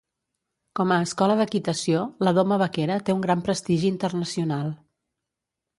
Com a escola d'equitació, la doma vaquera té un gran prestigi internacional.